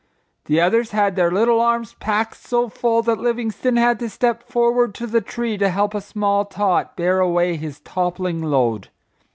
The others had their little arms packed so full that Livingstone had to step forward to the tree to help a small tot bear away his toppling load.